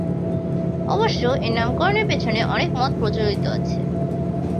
অবশ্য এ নামকরণের পেছনে অনেক মত প্রচলিত আছে।